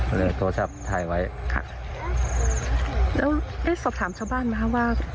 ก็เลยโทรศัพท์ถ่ายไว้ค่ะแล้วได้สอบถามชาวบ้านไหมคะว่า